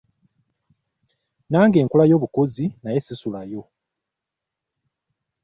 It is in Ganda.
Nange nkolayo bukozi naye ssisulayo.